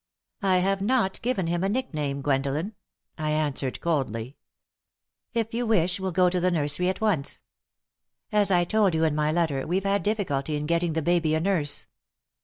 "I have not given him a nickname, Gwendolen," I answered, coldly. "If you wish to, we'll go to the nursery at once. As I told you in my letter, we've had difficulty in getting the baby a nurse.